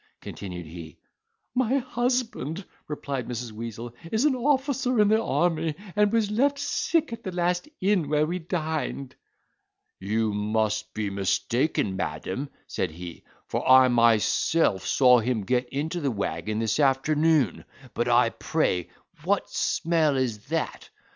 continued he. "My husband," replied Mrs. Weazel, "is an officer in the army and was left sick at the last inn where we dined." "You must be mistaken, madam," said he, "for I myself saw him get into the waggon this afternoon. But pray what smell is that?